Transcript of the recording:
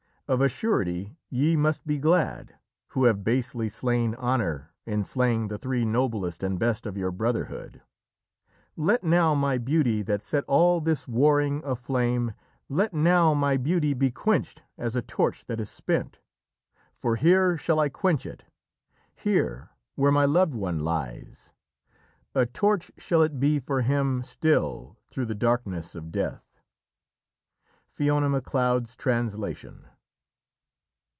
Of a surety ye must be glad, who have basely slain honour In slaying the three noblest and best of your brotherhood. Let now my beauty that set all this warring aflame, Let now my beauty be quenched as a torch that is spent For here shall I quench it, here, where my loved one lies, A torch shall it be for him still through the darkness of death." Fiona Macleod's Translation.